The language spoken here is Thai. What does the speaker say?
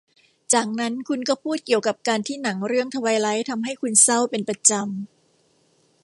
จากนั้นคุณก็พูดเกี่ยวกับการที่หนังเรื่องทไวไลท์ทำให้คุณเศร้าเป็นประจำ